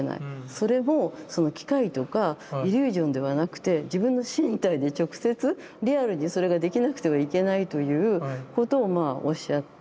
それも機械とかイリュージョンではなくて自分の身体に直接リアルにそれができなくてはいけないということをまあおっしゃって。